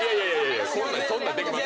そんなんできません。